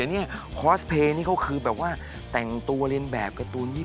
นี่คอสเตรคือแบบว่าแต่งตัวแรนแบบที่